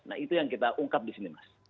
nah itu yang kita ungkap di sini mas